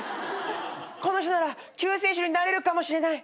この人なら救世主になれるかもしれない。